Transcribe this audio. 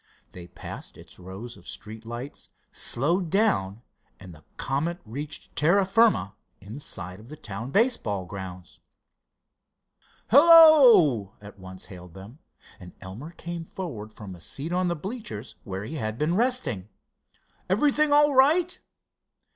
They passed its rows of street lights, slowed down, and the Comet reached terra firma inside of the town baseball grounds. "Hello!" at once hailed them, and Elmer came forward from a seat on the bleachers, where he had been resting. "Everything all right?"